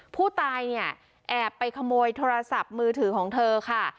ผู้ตายเนี่ยแอบไปขโมยโทรศัพท์มือถือของเธอค่ะ